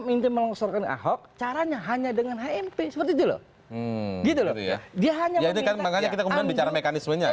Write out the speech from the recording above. minta mengusurkan ahok caranya hanya dengan mp seperti dulu gitu dia hanya kita bicara mekanismenya